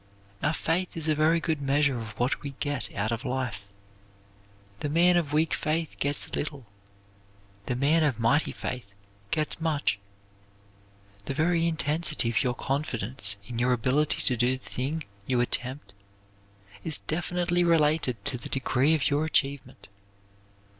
Our faith is a very good measure of what we get out of life. The man of weak faith gets little; the man of mighty faith gets much. The very intensity of your confidence in your ability to do the thing you attempt is definitely related to the degree of your achievement.